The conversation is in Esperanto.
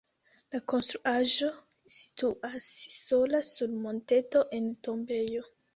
La konstruaĵo situas sola sur monteto en tombejo.